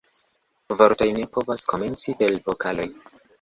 Vortoj ne povas komenci per vokaloj.